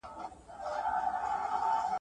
له خوشحال خان خټک څخه تر احمدشاه بابا ..